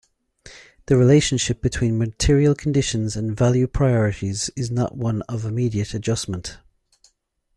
The relationship between material conditions and value priorities is not one of immediate adjustment.